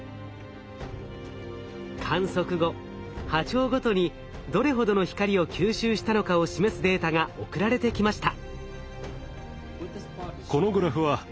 観測後波長ごとにどれほどの光を吸収したのかを示すデータが送られてきました。